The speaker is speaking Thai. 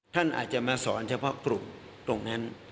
ท่านอาจจะมาสอนเฉพาะกลุ่มตรงนั้น